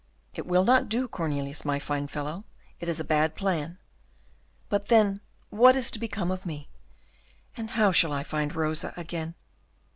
"It will not do, Cornelius, my fine fellow, it is a bad plan. But, then, what is to become of me, and how shall I find Rosa again?"